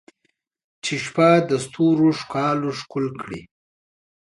چې شپه د ستورو ښکالو ښکل کړي